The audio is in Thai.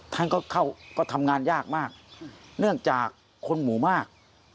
ท่านก็เข้าก็ทำงานยากมากเนื่องจากคนหมู่มาก